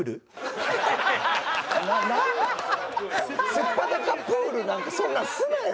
素っ裸プールなんかそんなんすなよ！